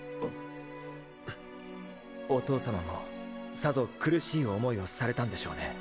お父様もさぞ苦しい思いをされたんでしょうね。